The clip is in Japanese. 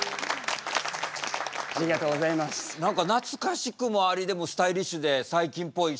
何か懐かしくもありでもスタイリッシュで最近っぽいし。